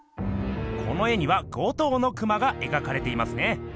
この絵には５頭のクマが描かれていますね。